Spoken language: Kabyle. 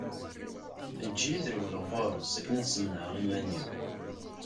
Eǧǧ-iyi ad rewleɣ ɣur-s, akken ad smenɛeɣ iman-iw.